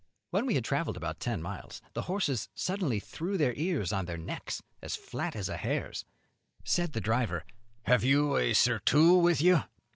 When we had travelled about ten miles, the horses suddenly threw their ears on their necks, as flat as a hare's. Said the driver, "Have you a surtout with you?"